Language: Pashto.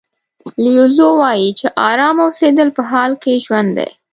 لیو زو وایي چې ارامه اوسېدل په حال کې ژوند دی.